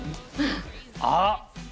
あっ！